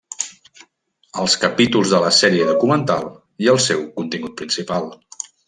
Els capítols de la sèrie documental i el seu contingut principal.